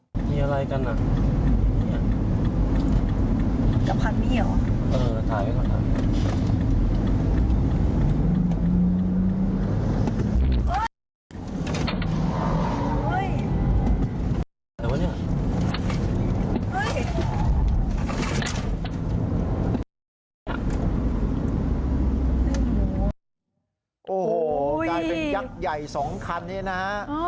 โอ้โหกลายเป็นยักษ์ใหญ่๒คันนี้นะฮะ